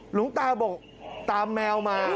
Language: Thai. หลวงตาบอกตามแมวมา